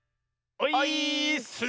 オイーッス！